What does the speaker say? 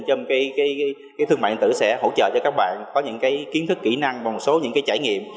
trong cái thương mại điện tử sẽ hỗ trợ cho các bạn có những cái kiến thức kỹ năng và một số những cái trải nghiệm